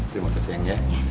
terima kasih sayang ya